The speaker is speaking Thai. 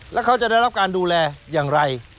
แล้วเขาจะได้รับการดูแลอย่างไร